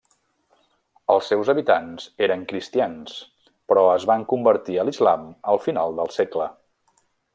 Els seus habitants eren cristians, Però es van convertir a l'islam al final del segle.